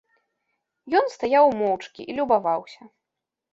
Ён стаяў моўчкі і любаваўся.